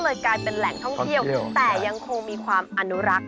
กลายเป็นแหล่งท่องเที่ยวแต่ยังคงมีความอนุรักษ์